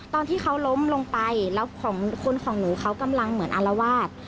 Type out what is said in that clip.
ตอนที่เขาล้มลงไปแล้วของคนของหนูเขากำลังเหมือนอารวาส